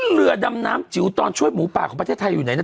เรือดำน้ำจิ๋วตอนช่วยหมูป่าของประเทศไทยอยู่ไหนนะ